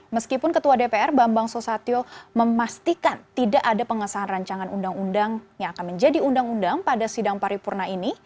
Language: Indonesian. meskipun ketua dpr bambang susatyo memastikan tidak ada pengesahan rancangan undang undang yang akan menjadi undang undang pada sidang paripurna ini